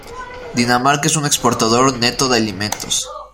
Dinamarca es un exportador neto de alimentos.